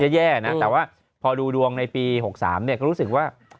แย่นะแต่ว่าพอดูดวงในปี๖๓เนี่ยก็รู้สึกว่า